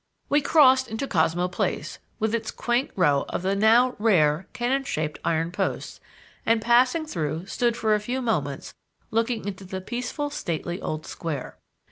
We crossed into Cosmo Place, with its quaint row of the now rare, cannon shaped iron posts, and passing through stood for a few moments looking into the peaceful, stately old square.